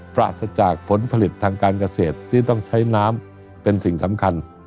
ปราศจากผลผลิตทางการเกษตรที่ต้องใช้น้ำเป็นสิ่งสำคัญ